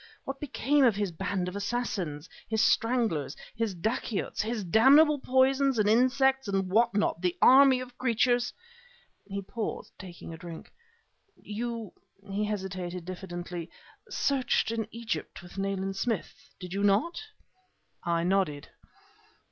What became of his band of assassins his stranglers, his dacoits, his damnable poisons and insects and what not the army of creatures " He paused, taking a drink. "You " he hesitated diffidently "searched in Egypt with Nayland Smith, did you not?" I nodded.